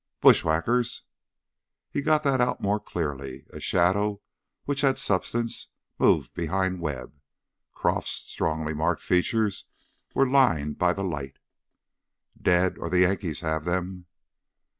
"Bushwhackers?" He got that out more clearly. A shadow which had substance, moved behind Webb. Croff's strongly marked features were lined by the light. "Dead ... or the Yankees have them."